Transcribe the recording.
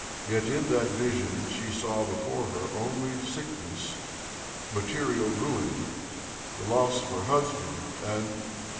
Yes, in that vision ishe saw before her only sick ness, material rtiin, the loss of her husband*, and